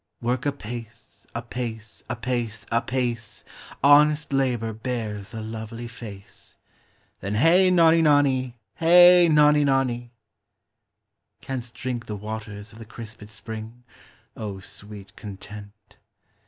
Work apace, apace, apace, apace ; Honest labor bears a lovely face ; Then hey nonny nonny, hey nonny nonny ! Canst drink the waters of the crisped spring ? O sweet content